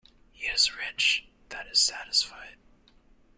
He is rich that is satisfied.